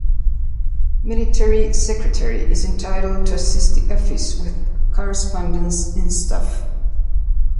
Military Secretary is entitled to assist the office with correspondence in staff.